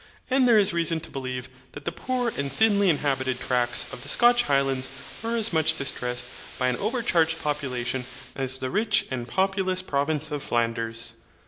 And there is reason to believe that the poor and thinly inhabited tracts of the Scotch Highlands are as much distressed by an overcharged population as the rich and populous province of Flanders.